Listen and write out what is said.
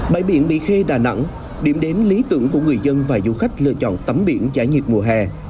bãi biển bì khê đà nẵng điểm đến lý tưởng của người dân và du khách lựa chọn tấm biển trái nhiệt mùa hè